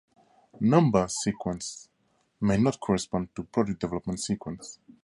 Number sequence may not correspond to product development sequence.